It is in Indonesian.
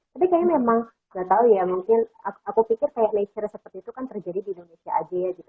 tapi kayaknya memang gak tau ya mungkin aku pikir kayak nature seperti itu kan terjadi di indonesia aja gitu